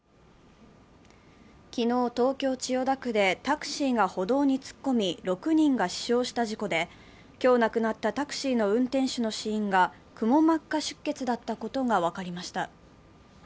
昨日、東京・千代田区でタクシーが歩道に突っ込み、６人が死傷した事故で、今日亡くなったタクシーの運転手の死因がくも膜下出血だったことが分かりました。